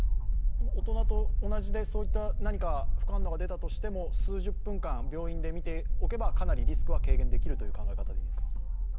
大人と同じで、そういった副反応が出たとしても数十分間、病院でみておけばかなりリスクは回避できるということですか。